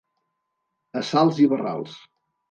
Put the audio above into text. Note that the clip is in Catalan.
A salts i barrals.